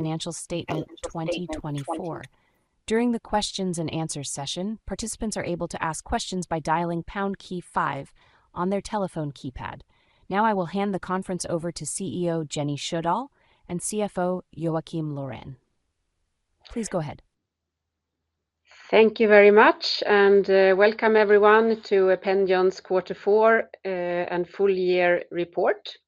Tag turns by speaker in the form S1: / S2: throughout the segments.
S1: Financial Statement 2024. During the Q&A session, participants are able to ask questions by dialing #5 on their telephone keypad. Now I will hand the conference over to CEO Jenny Sjödahl and CFO Joakim Laurén. Please go ahead.
S2: Thank you very much, and welcome everyone to Ependion's Q4 and full-year report.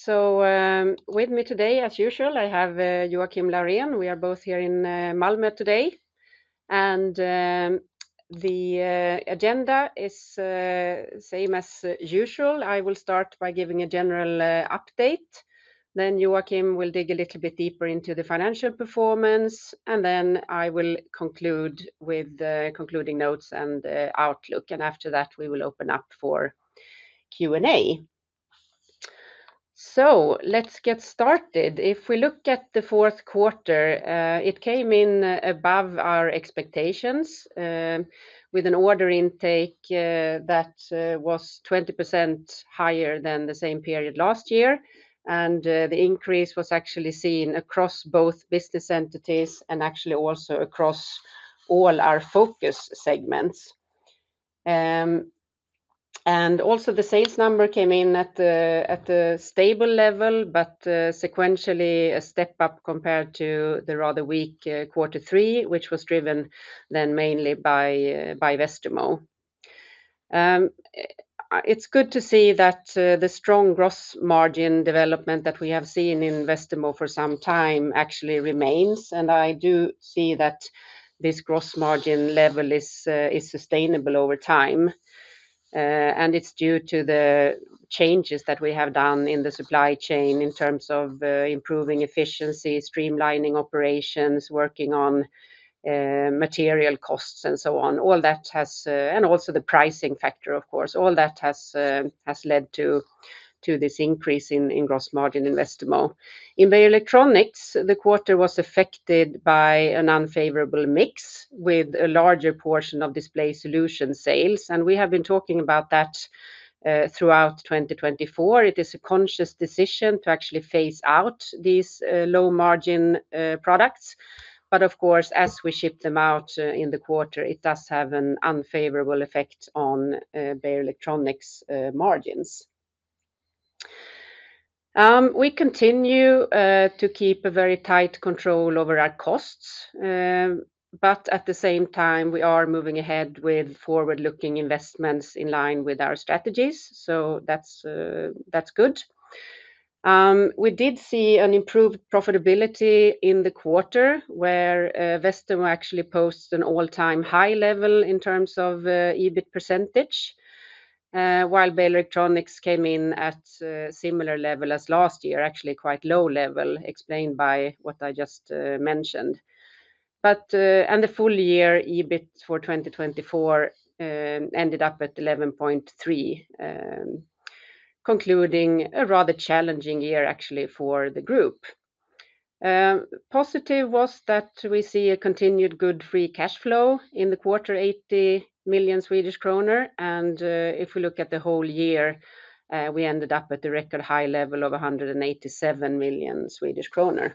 S2: So, with me today, as usual, I have Joakim Laurén. We are both here in Malmö today. And the agenda is the same as usual. I will start by giving a general update, then Joakim will dig a little bit deeper into the financial performance, and then I will conclude with concluding notes and outlook. And after that, we will open up for Q&A. So, let's get started. If we look at the fourth quarter, it came in above our expectations, with an order intake that was 20% higher than the same period last year. And the increase was actually seen across both business entities and actually also across all our focus segments. And also, the sales number came in at a stable level, but sequentially a step up compared to the rather weak Q3, which was driven then mainly by Westermo. It's good to see that the strong gross margin development that we have seen in Westermo for some time actually remains. And I do see that this gross margin level is sustainable over time. And it's due to the changes that we have done in the supply chain in terms of improving efficiency, streamlining operations, working on material costs, and so on. All that has, and also the pricing factor, of course, all that has led to this increase in gross margin in Westermo. In Beijer Electronics, the quarter was affected by an unfavorable mix with a larger portion of display solutions sales. And we have been talking about that throughout 2024. It is a conscious decision to actually phase out these low-margin products. But of course, as we ship them out in the quarter, it does have an unfavorable effect on Beijer Electronics' margins. We continue to keep a very tight control over our costs, but at the same time, we are moving ahead with forward-looking investments in line with our strategies. So that's good. We did see an improved profitability in the quarter, where Westermo actually posts an all-time high level in terms of EBIT percentage, while Beijer Electronics came in at a similar level as last year, actually quite low level, explained by what I just mentioned, and the full-year EBIT for 2024 ended up at 11.3%, concluding a rather challenging year actually for the group. Positive was that we see a continued good free cash flow in the quarter, 80 million Swedish kronor. If we look at the whole year, we ended up at a record high level of 187 million Swedish kronor.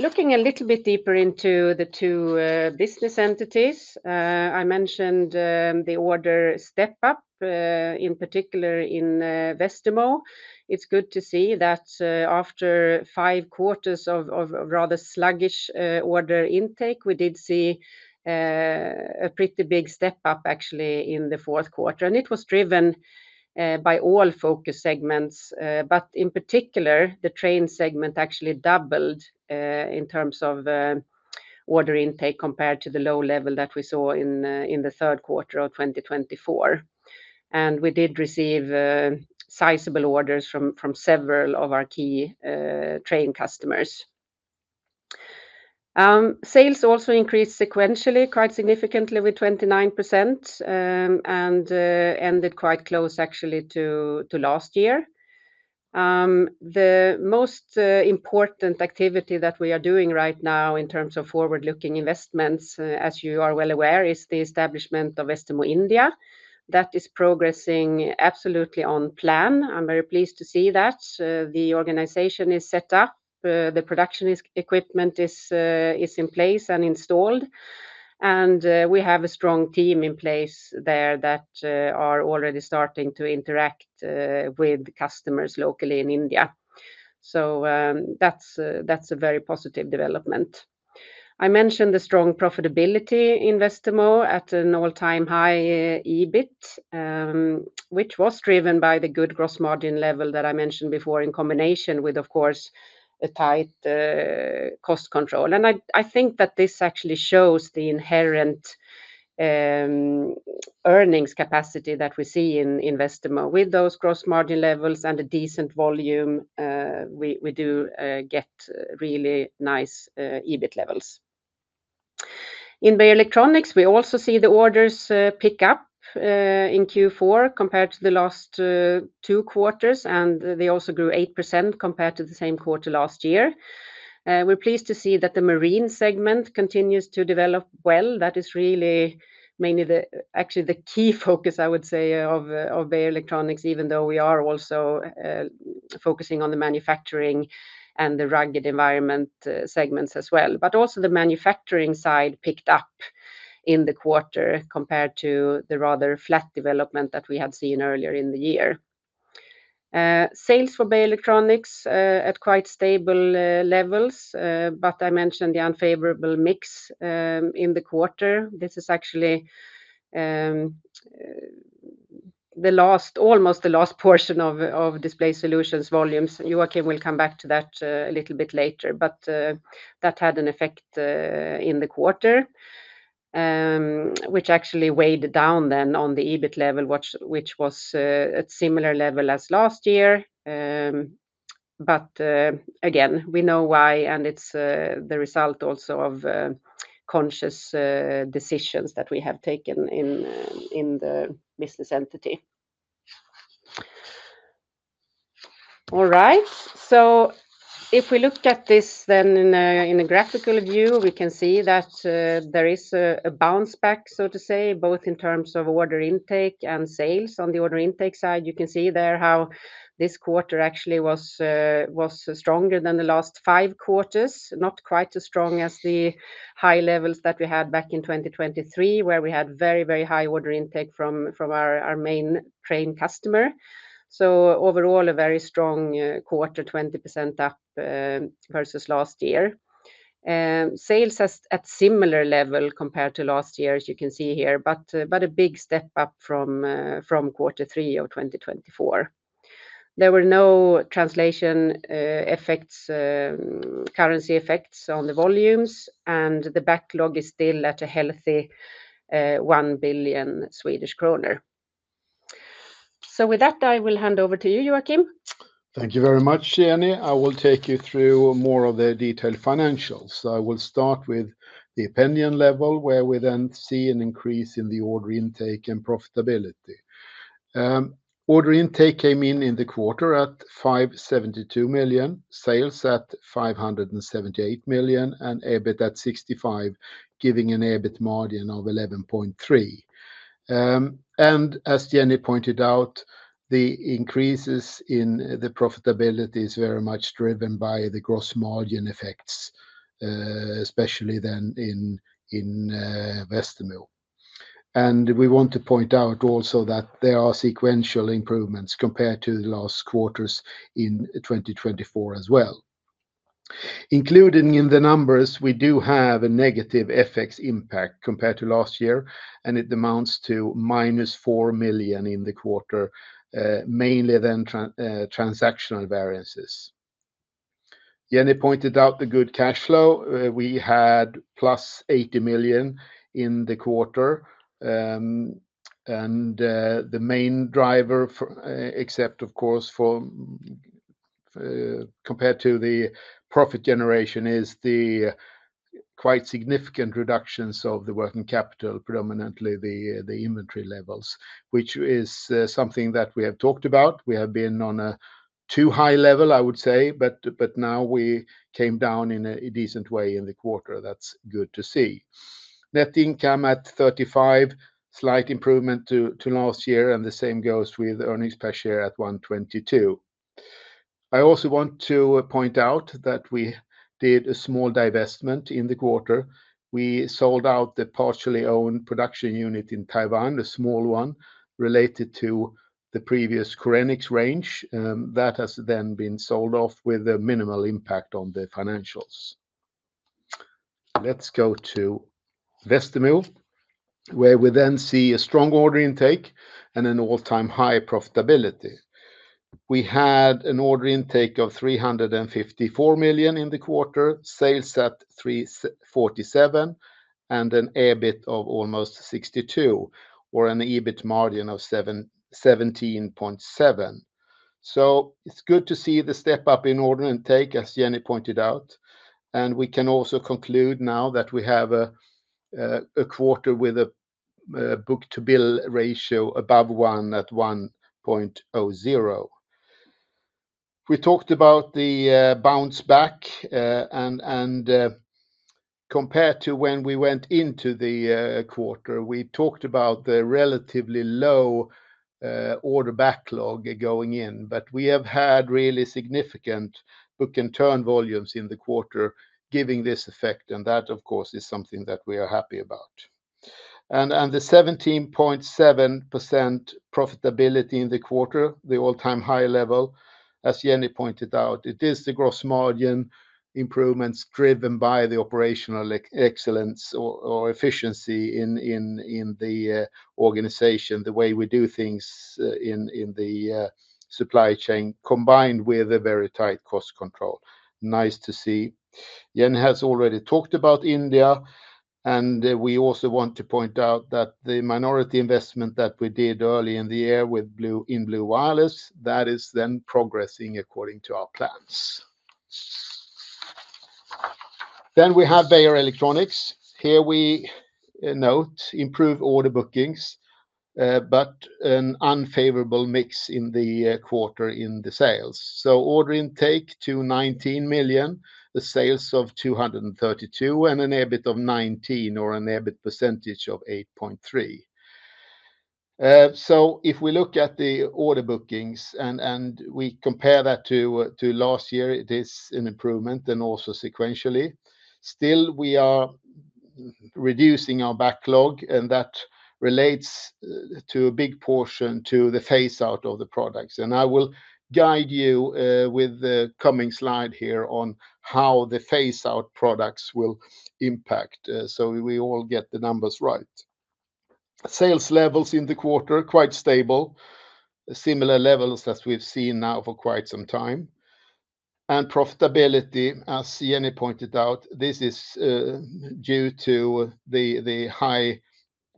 S2: Looking a little bit deeper into the two business entities, I mentioned the order step up, in particular in Westermo. It's good to see that after five quarters of rather sluggish order intake, we did see a pretty big step up actually in the fourth quarter. It was driven by all focus segments, but in particular, the train segment actually doubled in terms of order intake compared to the low level that we saw in the third quarter of 2024. We did receive sizable orders from several of our key train customers. Sales also increased sequentially quite significantly with 29% and ended quite close actually to last year. The most important activity that we are doing right now in terms of forward-looking investments, as you are well aware, is the establishment of Westermo India. That is progressing absolutely on plan. I'm very pleased to see that. The organization is set up, the production equipment is in place and installed. And we have a strong team in place there that are already starting to interact with customers locally in India. So that's a very positive development. I mentioned the strong profitability in Westermo at an all-time high EBIT, which was driven by the good gross margin level that I mentioned before in combination with, of course, the tight cost control. And I think that this actually shows the inherent earnings capacity that we see in Westermo. With those gross margin levels and a decent volume, we do get really nice EBIT levels. In Beijer Electronics, we also see the orders pick up in Q4 compared to the last two quarters, and they also grew 8% compared to the same quarter last year. We're pleased to see that the marine segment continues to develop well. That is really mainly actually the key focus, I would say, of Beijer Electronics, even though we are also focusing on the manufacturing and the rugged environment segments as well. But also the manufacturing side picked up in the quarter compared to the rather flat development that we had seen earlier in the year. Sales for Beijer Electronics at quite stable levels, but I mentioned the unfavorable mix in the quarter. This is actually almost the last portion of display solutions volumes. Joakim will come back to that a little bit later, but that had an effect in the quarter, which actually weighed down then on the EBIT level, which was at a similar level as last year. But again, we know why, and it's the result also of conscious decisions that we have taken in the business entity. All right, so if we look at this then in a graphical view, we can see that there is a bounce back, so to say, both in terms of order intake and sales. On the order intake side, you can see there how this quarter actually was stronger than the last five quarters, not quite as strong as the high levels that we had back in 2023, where we had very, very high order intake from our main train customer. So overall, a very strong quarter, 20% up versus last year. Sales at a similar level compared to last year, as you can see here, but a big step up from quarter three of 2024. There were no translation effects, currency effects on the volumes, and the backlog is still at a healthy 1 billion Swedish kronor. So with that, I will hand over to you, Joakim.
S3: Thank you very much, Jenny. I will take you through more of the detailed financials. I will start with the Ependion level, where we then see an increase in the order intake and profitability. Order intake came in the quarter at 572 million, sales at 578 million, and EBIT at 65, giving an EBIT margin of 11.3%. And as Jenny pointed out, the increases in the profitability is very much driven by the gross margin effects, especially then in Westermo. And we want to point out also that there are sequential improvements compared to the last quarters in 2024 as well. Including in the numbers, we do have a negative FX impact compared to last year, and it amounts to minus 4 million in the quarter, mainly then transactional variances. Jenny pointed out the good cash flow. We had plus 80 million in the quarter. And the main driver, except of course for compared to the profit generation, is the quite significant reductions of the working capital, predominantly the inventory levels, which is something that we have talked about. We have been on a too high level, I would say, but now we came down in a decent way in the quarter. That's good to see. Net income at 35, slight improvement to last year, and the same goes with earnings per share at 122. I also want to point out that we did a small divestment in the quarter. We sold out the partially owned production unit in Taiwan, a small one related to the previous Korenix range. That has then been sold off with a minimal impact on the financials. Let's go to Westermo, where we then see a strong order intake and an all-time high profitability. We had an order intake of 354 million in the quarter, sales at 347 million, and an EBIT of almost 62, or an EBIT margin of 17.7%. So it's good to see the step up in order intake, as Jenny pointed out. And we can also conclude now that we have a quarter with a book-to-bill ratio above one at 1.00. We talked about the bounce back, and compared to when we went into the quarter, we talked about the relatively low order backlog going in, but we have had really significant book and turn volumes in the quarter giving this effect. And that, of course, is something that we are happy about. And the 17.7% profitability in the quarter, the all-time high level, as Jenny pointed out, it is the gross margin improvements driven by the operational excellence or efficiency in the organization, the way we do things in the supply chain combined with a very tight cost control. Nice to see. Jenny has already talked about India, and we also want to point out that the minority investment that we did early in the year with Blu Wireless, that is then progressing according to our plans. Then we have Beijer Electronics. Here we note improved order bookings, but an unfavorable mix in the quarter in the sales. So order intake to 19 million, the sales of 232 million, and an EBIT of 19 million or an EBIT percentage of 8.3%. So if we look at the order bookings and we compare that to last year, it is an improvement and also sequentially. Still, we are reducing our backlog, and that relates to a big portion to the phase out of the products. And I will guide you with the coming slide here on how the phase out products will impact so we all get the numbers right. Sales levels in the quarter are quite stable, similar levels as we've seen now for quite some time. And profitability, as Jenny pointed out, this is due to the high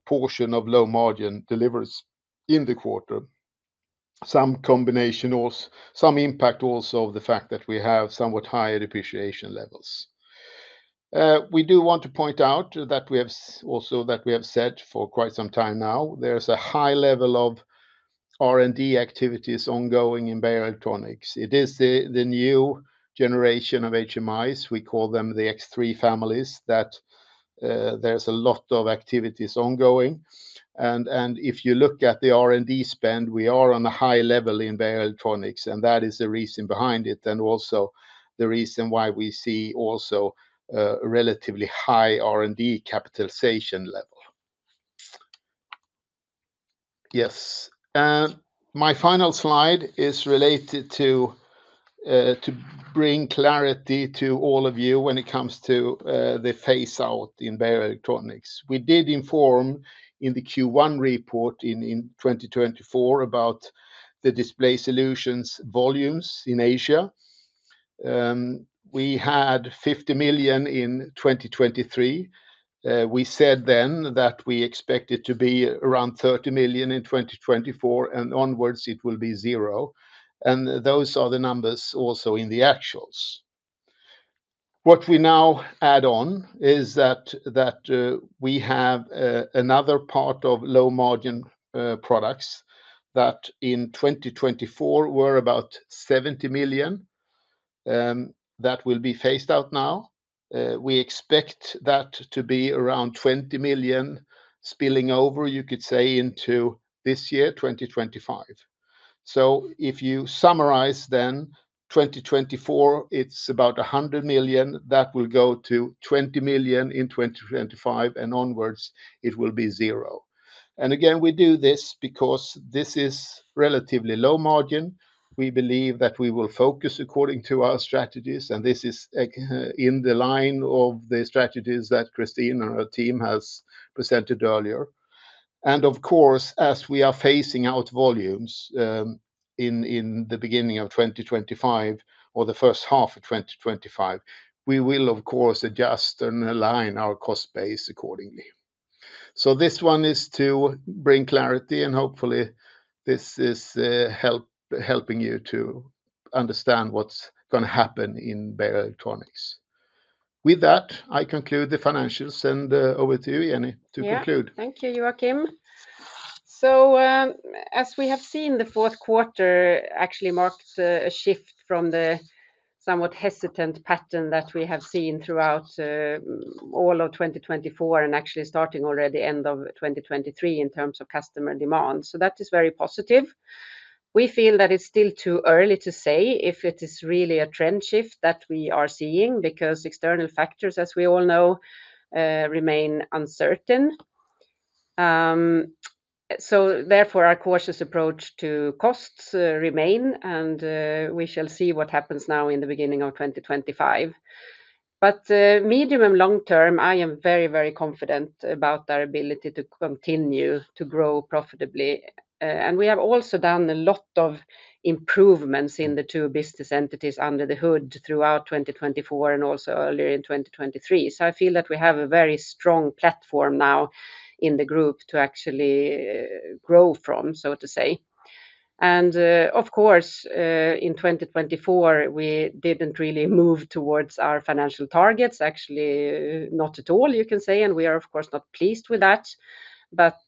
S3: portion of low margin deliveries in the quarter. Some impact also of the fact that we have somewhat higher depreciation levels. We do want to point out that, as we have said for quite some time now, there's a high level of R&D activities ongoing in Beijer Electronics. It is the new generation of HMIs. We call them the X3 series that there's a lot of activities ongoing. And if you look at the R&D spend, we are on a high level in Beijer Electronics, and that is the reason behind it and also the reason why we see also a relatively high R&D capitalization level. Yes. My final slide is related to bring clarity to all of you when it comes to the phase out in Beijer Electronics. We did inform in the Q1 report in 2024 about the display solutions volumes in Asia. We had 50 million in 2023. We said then that we expected to be around 30 million in 2024, and onwards it will be zero. And those are the numbers also in the actuals. What we now add on is that we have another part of low margin products that in 2024 were about 70 million. That will be phased out now. We expect that to be around 20 million spilling over, you could say, into this year, 2025. So if you summarize then 2024, it's about 100 million. That will go to 20 million in 2025, and onwards it will be zero. And again, we do this because this is relatively low margin. We believe that we will focus according to our strategies, and this is in the line of the strategies that Kristine and her team has presented earlier. And of course, as we are phasing out volumes in the beginning of 2025 or the first half of 2025, we will of course adjust and align our cost base accordingly. So this one is to bring clarity, and hopefully this is helping you to understand what's going to happen in Beijer Electronics. With that, I conclude the financials, and over to you, Jenny, to conclude.
S2: Yeah, thank you, Joakim. So as we have seen, the fourth quarter actually marked a shift from the somewhat hesitant pattern that we have seen throughout all of 2024 and actually starting already end of 2023 in terms of customer demand. So that is very positive. We feel that it's still too early to say if it is really a trend shift that we are seeing because external factors, as we all know, remain uncertain. So therefore, our cautious approach to costs remains, and we shall see what happens now in the beginning of 2025. But medium and long term, I am very, very confident about our ability to continue to grow profitably. And we have also done a lot of improvements in the two business entities under the hood throughout 2024 and also earlier in 2023. So I feel that we have a very strong platform now in the group to actually grow from, so to say. And of course, in 2024, we didn't really move towards our financial targets, actually not at all, you can say. And we are of course not pleased with that, but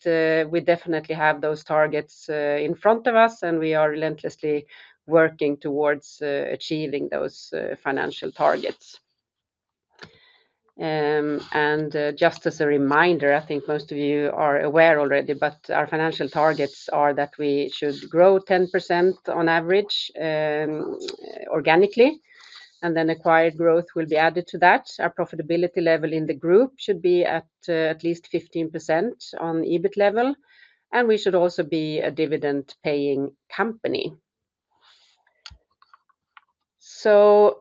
S2: we definitely have those targets in front of us, and we are relentlessly working towards achieving those financial targets. And just as a reminder, I think most of you are aware already, but our financial targets are that we should grow 10% on average organically, and then acquired growth will be added to that. Our profitability level in the group should be at least 15% on EBIT level, and we should also be a dividend-paying company. So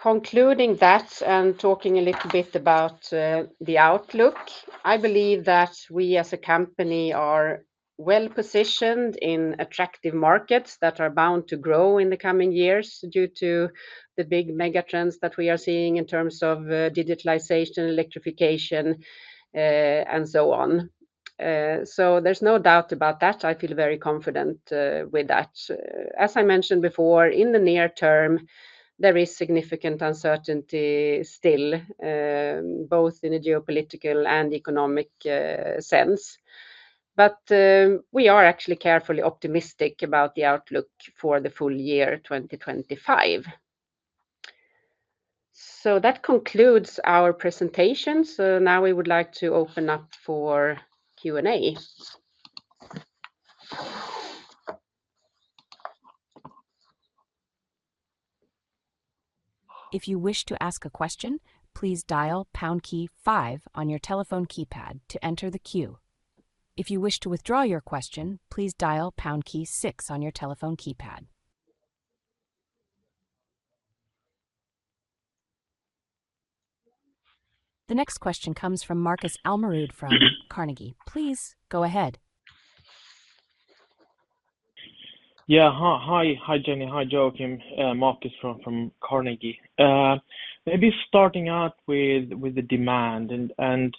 S2: concluding that and talking a little bit about the outlook, I believe that we as a company are well positioned in attractive markets that are bound to grow in the coming years due to the big megatrends that we are seeing in terms of digitalization, electrification, and so on. So there's no doubt about that. I feel very confident with that. As I mentioned before, in the near term, there is significant uncertainty still, both in a geopolitical and economic sense, but we are actually carefully optimistic about the outlook for the full year 2025. So that concludes our presentation. So now we would like to open up for Q&A.
S1: If you wish to ask a question, please dial pound key five on your telephone keypad to enter the queue. If you wish to withdraw your question, please dial pound key six on your telephone keypad. The next question comes from Marcus Almeroud from Carnegie. Please go ahead. Yeah, hi, Jenny, hi, Joakim. Marcus from Carnegie. Maybe starting out with the demand, and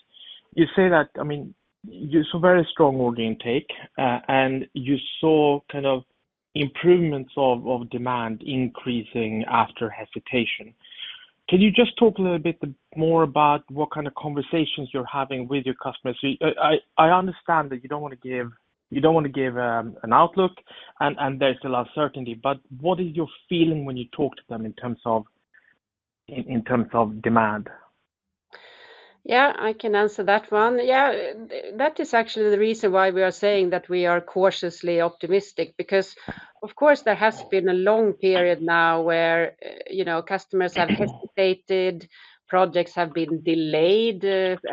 S1: you say that, I mean, you saw very strong order intake, and you saw kind of improvements of demand increasing after hesitation. Can you just talk a little bit more about what kind of conversations you're having with your customers? I understand that you don't want to give an outlook, and there's a lot of uncertainty, but what is your feeling when you talk to them in terms of demand?
S2: Yeah, I can answer that one. Yeah, that is actually the reason why we are saying that we are cautiously optimistic because, of course, there has been a long period now where customers have hesitated, projects have been delayed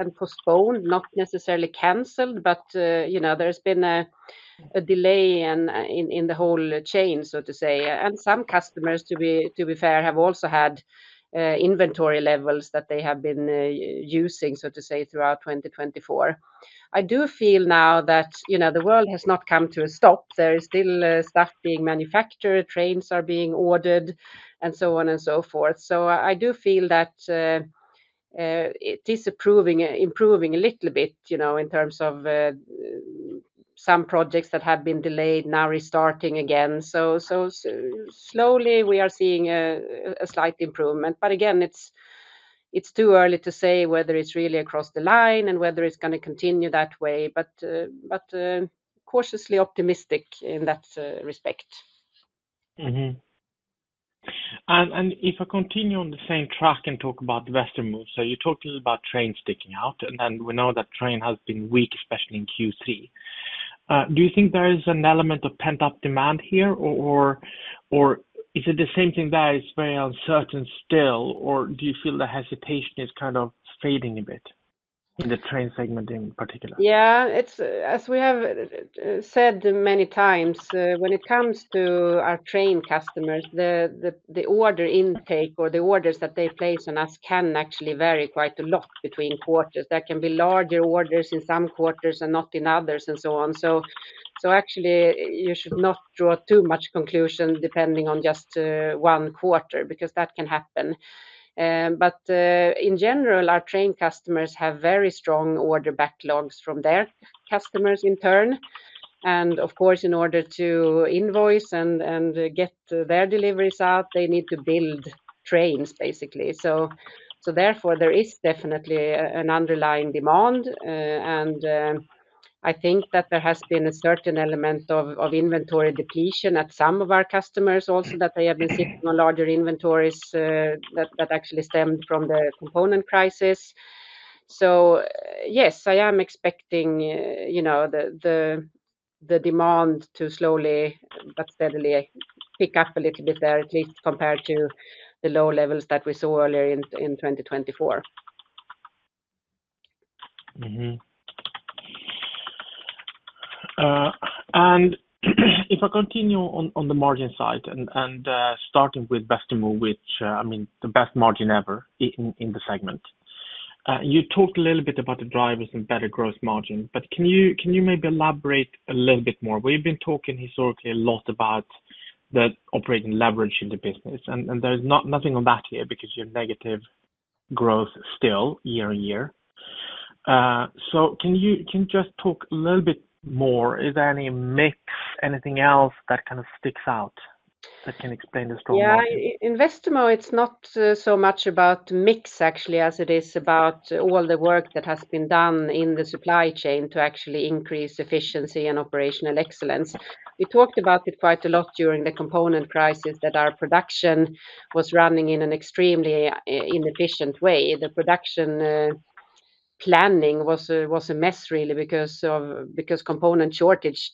S2: and postponed, not necessarily canceled, but there has been a delay in the whole chain, so to say. And some customers, to be fair, have also had inventory levels that they have been using, so to say, throughout 2024. I do feel now that the world has not come to a stop. There is still stuff being manufactured, trains are being ordered, and so on and so forth. So I do feel that it is improving a little bit in terms of some projects that had been delayed now restarting again. Slowly we are seeing a slight improvement, but again, it's too early to say whether it's really across the line and whether it's going to continue that way, but cautiously optimistic in that respect. If I continue on the same track and talk about the Westermo's, so you talked a little about trains sticking out, and then we know that train has been weak, especially in Q3. Do you think there is an element of pent-up demand here, or is it the same thing that is very uncertain still, or do you feel the hesitation is kind of fading a bit in the train segment in particular? Yeah, as we have said many times, when it comes to our train customers, the order intake or the orders that they place on us can actually vary quite a lot between quarters. There can be larger orders in some quarters and not in others and so on. So actually, you should not draw too much conclusion depending on just one quarter because that can happen. But in general, our train customers have very strong order backlogs from their customers in turn. And of course, in order to invoice and get their deliveries out, they need to build trains basically. So therefore, there is definitely an underlying demand, and I think that there has been a certain element of inventory depletion at some of our customers also that they have been sitting on larger inventories that actually stemmed from the component crisis. So yes, I am expecting the demand to slowly but steadily pick up a little bit there at least compared to the low levels that we saw earlier in 2024. If I continue on the margin side and starting with Beijer to Westermo, which I mean the best margin ever in the segment, you talked a little bit about the drivers and better gross margin, but can you maybe elaborate a little bit more? We've been talking historically a lot about the operating leverage in the business, and there's nothing on that here because you have negative growth still year on year. So can you just talk a little bit more? Is there any mix, anything else that kind of sticks out that can explain the strong margin? Yeah, in Westermo, it's not so much about mix actually as it is about all the work that has been done in the supply chain to actually increase efficiency and operational excellence. We talked about it quite a lot during the component crisis that our production was running in an extremely inefficient way. The production planning was a mess really because component shortage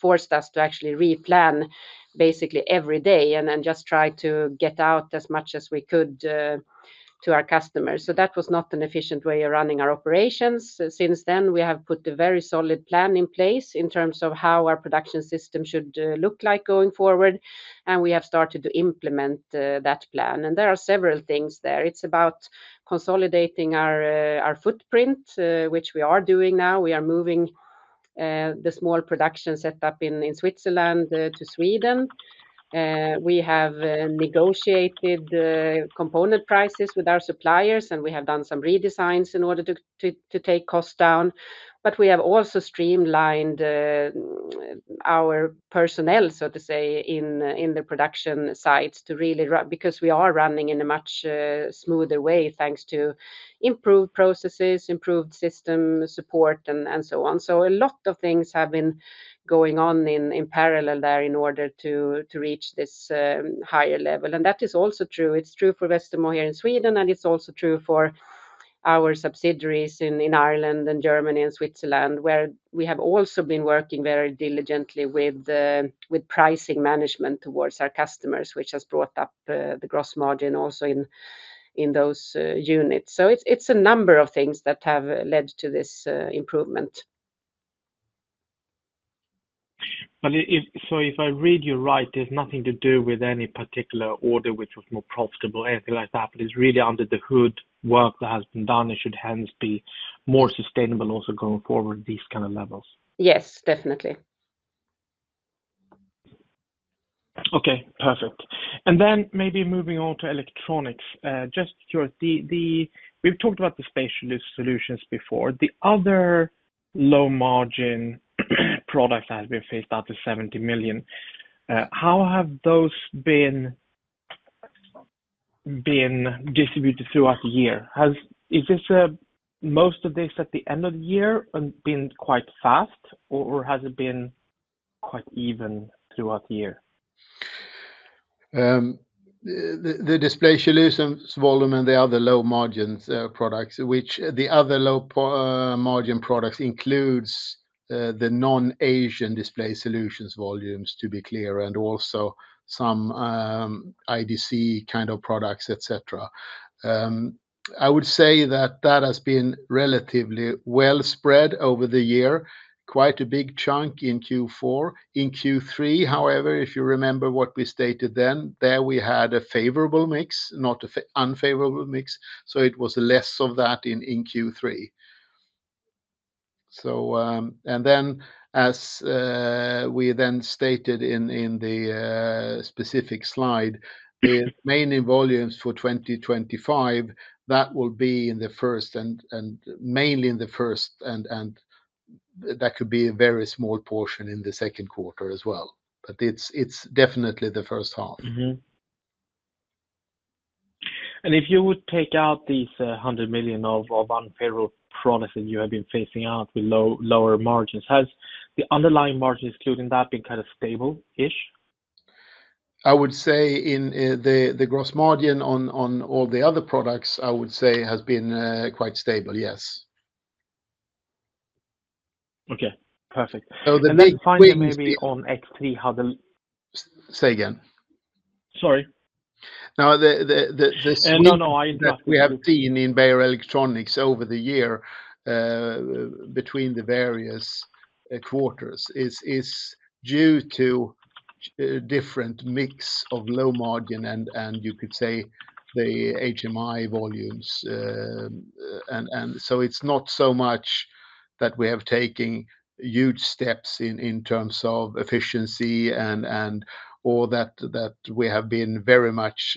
S2: forced us to actually replan basically every day and then just try to get out as much as we could to our customers. So that was not an efficient way of running our operations. Since then, we have put a very solid plan in place in terms of how our production system should look like going forward, and we have started to implement that plan, and there are several things there. It's about consolidating our footprint, which we are doing now. We are moving the small production setup in Switzerland to Sweden. We have negotiated component prices with our suppliers, and we have done some redesigns in order to take costs down, but we have also streamlined our personnel, so to say, in the production sites because we are running in a much smoother way thanks to improved processes, improved system support, and so on. So a lot of things have been going on in parallel there in order to reach this higher level. And that is also true. It's true for Westermo here in Sweden, and it's also true for our subsidiaries in Ireland and Germany and Switzerland where we have also been working very diligently with pricing management towards our customers, which has brought up the gross margin also in those units. So it's a number of things that have led to this improvement. So if I read you right, there's nothing to do with any particular order which was more profitable, anything like that, but it's really under the hood work that has been done. It should hence be more sustainable also going forward at these kind of levels. Yes, definitely. Okay, perfect. And then maybe moving on to Beijer Electronics, just curious, we've talked about the specialist solutions before. The other low margin product that has been phased out is 70 million. How have those been distributed throughout the year? Is this most of this at the end of the year and been quite fast, or has it been quite even throughout the year?
S3: The display solutions volume and the other low margin products, which the other low margin products include the non-Asian display solutions volumes, to be clear, and also some IDC kind of products, etc. I would say that that has been relatively well spread over the year, quite a big chunk in Q4. In Q3, however, if you remember what we stated then, there we had a favorable mix, not an unfavorable mix, so it was less of that in Q3, and then as we then stated in the specific slide, the remaining volumes for 2025, that will be in the first and mainly in the first, and that could be a very small portion in the second quarter as well, but it's definitely the first half. If you would take out these 100 million of unfavorable products that you have been phasing out with lower margins, has the underlying margin excluding that been kind of stable-ish? I would say in the gross margin on all the other products, I would say has been quite stable, yes. Okay, perfect. So the next question may be on X3, how the. Say again. Sorry. No, the. No, no, I interrupted. We have seen in Beijer Electronics over the year between the various quarters is due to different mix of low-margin and you could say the HMI volumes. And so it's not so much that we have taken huge steps in terms of efficiency or that we have been very much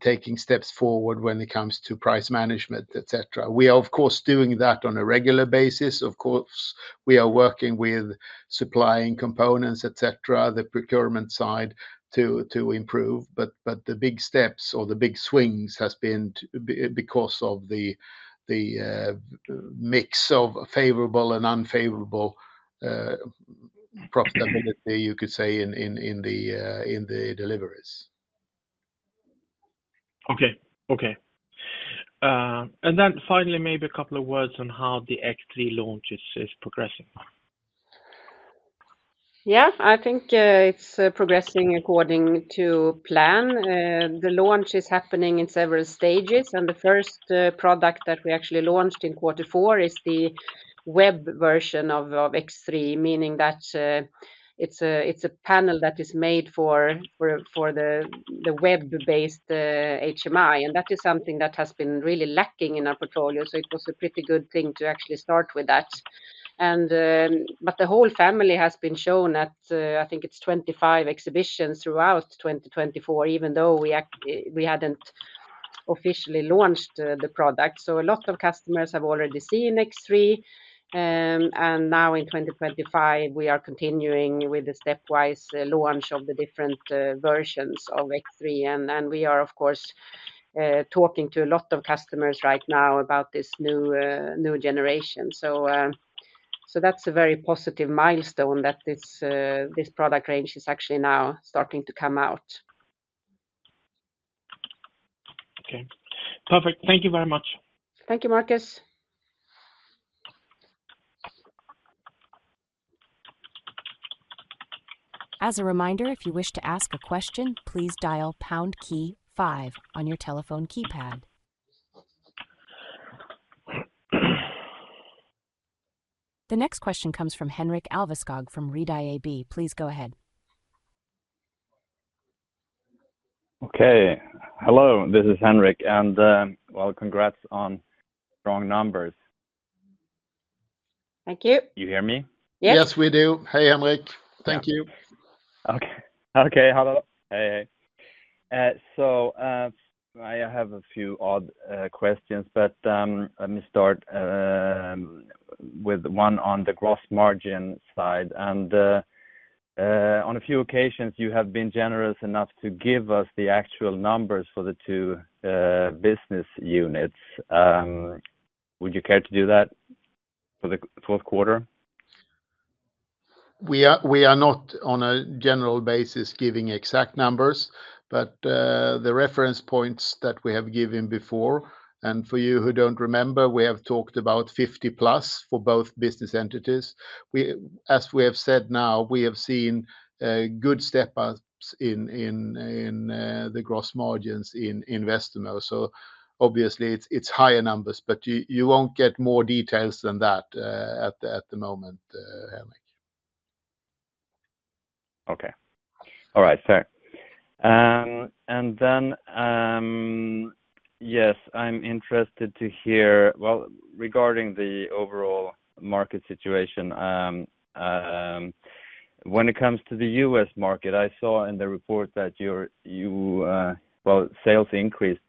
S3: taking steps forward when it comes to price management, etc. We are, of course, doing that on a regular basis. Of course, we are working with supplying components, etc., the procurement side to improve, but the big steps or the big swings have been because of the mix of favorable and unfavorable profitability, you could say, in the deliveries. Okay, okay, and then finally, maybe a couple of words on how the X3 launch is progressing.
S2: Yeah, I think it's progressing according to plan. The launch is happening in several stages, and the first product that we actually launched in quarter four is the web version of X3, meaning that it's a panel that is made for the web-based HMI, and that is something that has been really lacking in our portfolio. So it was a pretty good thing to actually start with that. But the whole family has been shown at, I think it's 25 exhibitions throughout 2024, even though we hadn't officially launched the product. So a lot of customers have already seen X3, and now in 2025, we are continuing with the stepwise launch of the different versions of X3, and we are, of course, talking to a lot of customers right now about this new generation. So that's a very positive milestone that this product range is actually now starting to come out. Okay, perfect. Thank you very much. Thank you, Marcus.
S1: As a reminder, if you wish to ask a question, please dial pound key five on your telephone keypad. The next question comes from Henrik Alveskog from Redeye AB. Please go ahead. Okay, hello. This is Henrik, and, well, congrats on strong numbers.
S2: Thank you. You hear me? Yes.
S3: Yes, we do. Hey, Henrik, thank you. Okay, hello. Hey, hey, so I have a few odd questions, but let me start with one on the gross margin side, and on a few occasions, you have been generous enough to give us the actual numbers for the two business units. Would you care to do that for the fourth quarter? We are not on a general basis giving exact numbers, but the reference points that we have given before, and for you who don't remember, we have talked about 50 plus for both business entities. As we have said now, we have seen good step-ups in the gross margins in Westermo. So obviously, it's higher numbers, but you won't get more details than that at the moment, Henrik. Okay, all right, fair, and then, yes, I'm interested to hear, well, regarding the overall market situation. When it comes to the U.S. market, I saw in the report that you, well, sales increased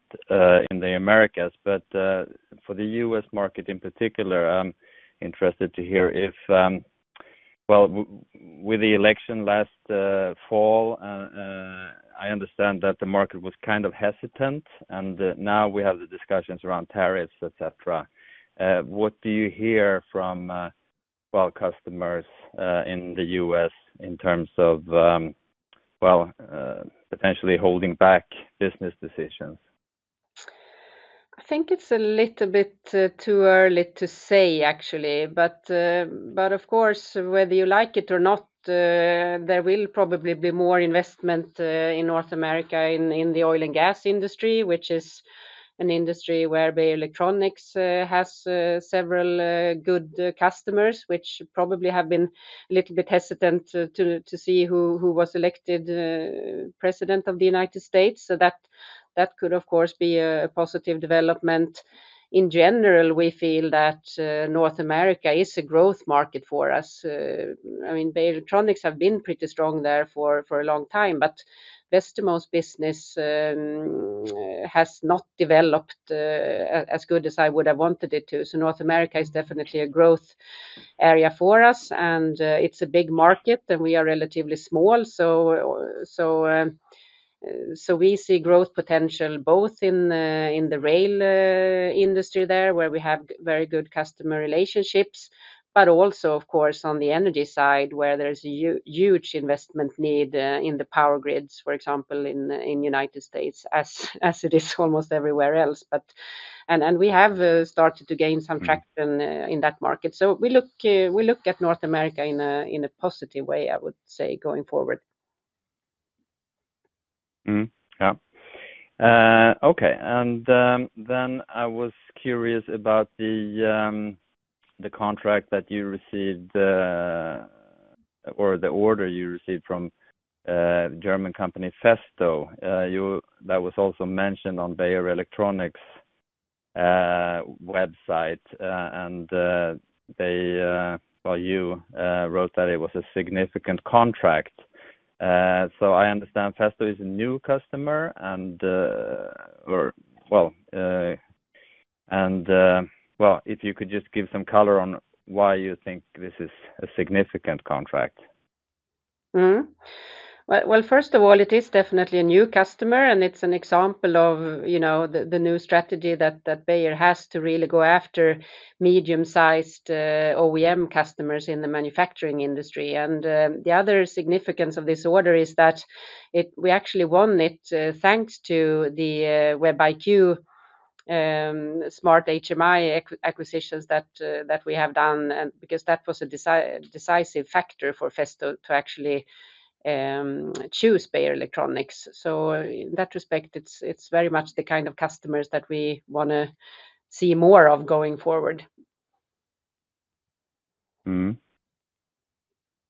S3: in the Americas, but for the U.S. market in particular, I'm interested to hear if, well, with the election last fall, I understand that the market was kind of hesitant, and now we have the discussions around tariffs, etc. What do you hear from, well, customers in the U.S. in terms of, well, potentially holding back business decisions?
S2: I think it's a little bit too early to say, actually, but of course, whether you like it or not, there will probably be more investment in North America in the oil and gas industry, which is an industry where Beijer Electronics has several good customers, which probably have been a little bit hesitant to see who was elected president of the United States. So that could, of course, be a positive development. In general, we feel that North America is a growth market for us. I mean, Beijer Electronics have been pretty strong there for a long time, but Westermo's business has not developed as good as I would have wanted it to. So North America is definitely a growth area for us, and it's a big market, and we are relatively small. So we see growth potential both in the rail industry there, where we have very good customer relationships, but also, of course, on the energy side, where there's a huge investment need in the power grids, for example, in the United States, as it is almost everywhere else, and we have started to gain some traction in that market, so we look at North America in a positive way, I would say, going forward. Yeah. Okay, and then I was curious about the contract that you received or the order you received from the German company Festo. That was also mentioned on Beijer Electronics' website, and they, well, you wrote that it was a significant contract, so I understand Festo is a new customer, and well, if you could just give some color on why you think this is a significant contract. First of all, it is definitely a new customer, and it's an example of the new strategy that Beijer has to really go after medium-sized OEM customers in the manufacturing industry. And the other significance of this order is that we actually won it thanks to the WebIQ Smart HMI acquisitions that we have done, because that was a decisive factor for Festo to actually choose Beijer Electronics. So in that respect, it's very much the kind of customers that we want to see more of going forward.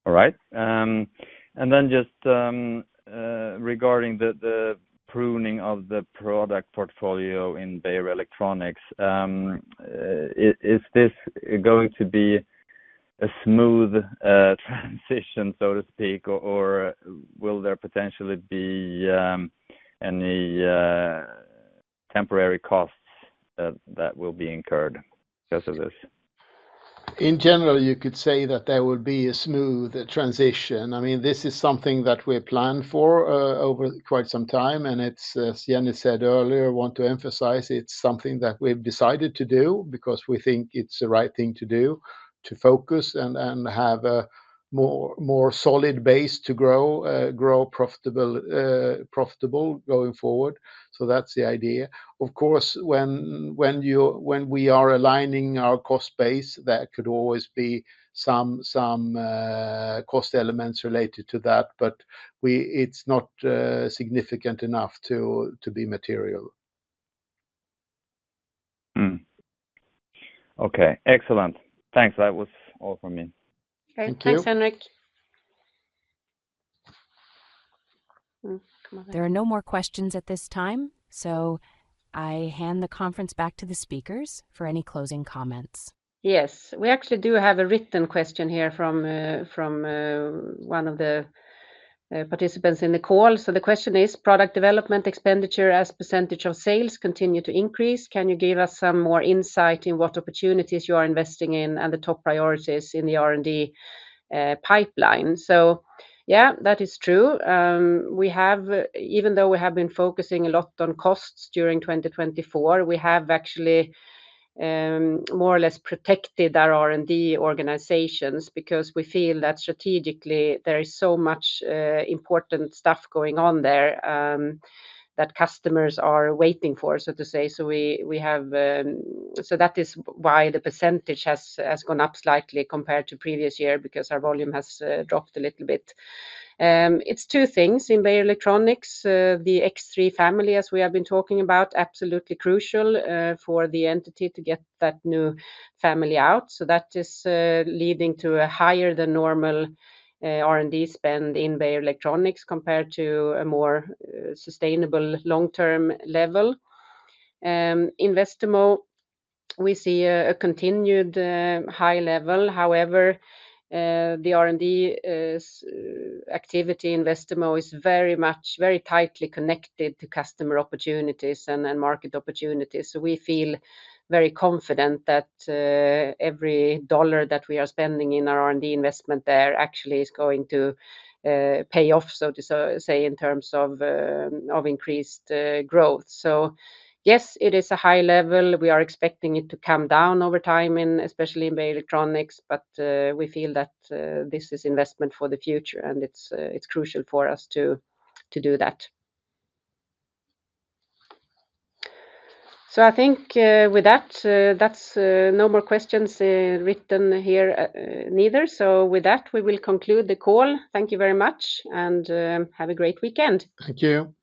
S2: All right. And then just regarding the pruning of the product portfolio in Beijer Electronics, is this going to be a smooth transition, so to speak, or will there potentially be any temporary costs that will be incurred because of this?
S3: In general, you could say that there will be a smooth transition. I mean, this is something that we've planned for over quite some time, and as Jenny said earlier, I want to emphasize it's something that we've decided to do because we think it's the right thing to do, to focus and have a more solid base to grow profitable going forward. So that's the idea. Of course, when we are aligning our cost base, there could always be some cost elements related to that, but it's not significant enough to be material. Okay, excellent. Thanks. That was all from me.
S2: Thank you, Henrik.
S1: There are no more questions at this time, so I hand the conference back to the speakers for any closing comments.
S2: Yes, we actually do have a written question here from one of the participants in the call. So the question is, "Product development expenditure as percentage of sales continue to increase, can you give us some more insight in what opportunities you are investing in and the top priorities in the R&D pipeline?" So yeah, that is true. Even though we have been focusing a lot on costs during 2024, we have actually more or less protected our R&D organizations because we feel that strategically there is so much important stuff going on there that customers are waiting for, so to say. So that is why the percentage has gone up slightly compared to previous year because our volume has dropped a little bit. It's two things in Beijer Electronics. The X3 family, as we have been talking about, is absolutely crucial for the entity to get that new family out. So that is leading to a higher than normal R&D spend in Beijer Electronics compared to a more sustainable long-term level. In Westermo, we see a continued high level. However, the R&D activity in Westermo is very tightly connected to customer opportunities and market opportunities. So we feel very confident that every dollar that we are spending in our R&D investment there actually is going to pay off, so to say, in terms of increased growth. So yes, it is a high level. We are expecting it to come down over time, especially in Beijer Electronics, but we feel that this is investment for the future, and it's crucial for us to do that. So I think with that, no more questions written here neither. So with that, we will conclude the call. Thank you very much, and have a great weekend.
S3: Thank you.